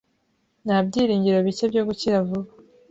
Nta byiringiro bike byo gukira vuba.